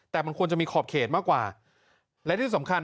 แต่มันควรจะมีขอบเขตมากกว่าและที่สำคัญ